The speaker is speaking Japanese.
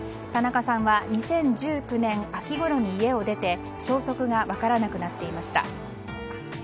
田中さんは２０１９年秋ごろに家を出て消息が分からなくなっていました。